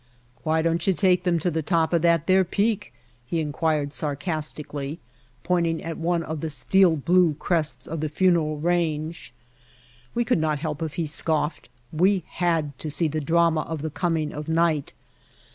'Why don't you take them to the top of that there peak?" he inquired sarcastically, pointing at one of the steel blue crests of the Funeral Strangest Farm in the World Range. We could not help it if he scoffed, we had to see the drama of the coming of night.